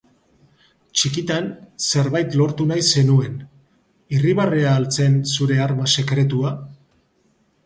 Txikitan, zerbait lortu nahi zenuen, irribarrea al zen zure arma sekretua?